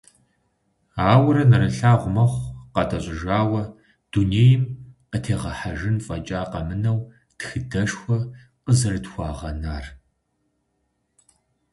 Ауэрэ нэрылъагъу мэхъу къэтӏэщӏыжауэ дунейм къытегъэхьэжын фӏэкӏа къэмынэу, тхыдэшхуэ къызэрытхуагъэнар.